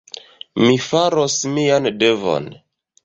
Mi faros mian devon.